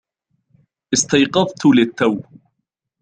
استيقظت للتوّ.